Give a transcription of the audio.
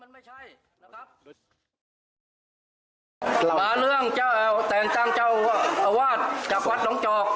มาเรื่องแทนตั้งเจ้าวาดจากวัดหนองจอก